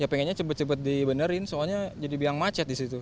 ya pengennya cepet cepet dibenerin soalnya jadi biang macet di situ